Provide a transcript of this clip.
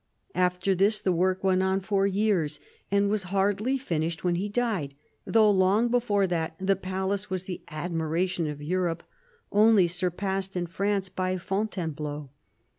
After this the work went on for years, and was hardly finished when he died, though long before that the palace was the admiration of Europe, only surpassed in France by Fontainebleau.